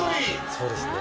そうですね。